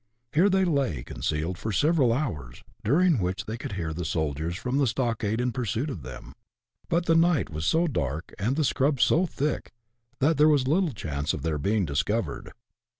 Here they lay concealed for several hours, during which they could hear the soldiers from the stockade in pursuit of them ; but the night was so dark, and the " scrub " so thick, that there was little chance of their being discovered.